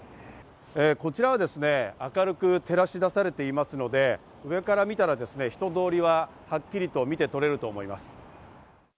こちらは明るく照らし出されていますので上から見たら人通りははっきりと見て取れると思います。